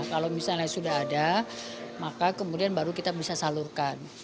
kalau misalnya sudah ada maka kemudian baru kita bisa salurkan